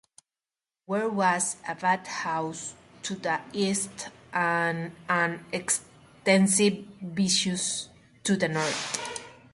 There was a bath-house to the east and an extensive vicus to the north.